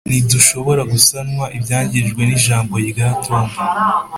ntidushobora gusana ibyangijwe nijambo rya tom